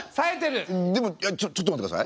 でもちょちょっと待ってください。